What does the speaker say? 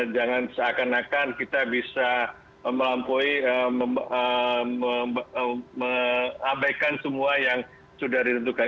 jangan seakan akan kita bisa melampauikan semua yang sudah ditentukan